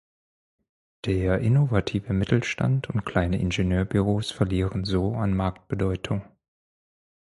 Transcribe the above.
Der innovative Mittelstand und kleine Ingenieurbüros verlieren so an Marktbedeutung.